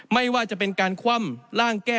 ไม่ว่าจะเป็นการคว่ำร่างแก้